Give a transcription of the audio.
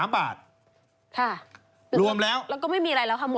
๓บาทรวมแล้วรวมแล้วเท่าไหร่ครับ